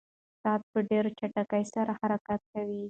ساعت په ډېرې چټکتیا سره حرکت کوي.